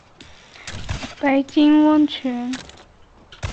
白金温泉